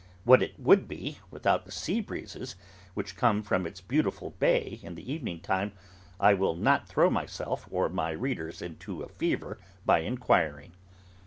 What it would be, without the sea breezes which come from its beautiful Bay in the evening time, I will not throw myself or my readers into a fever by inquiring.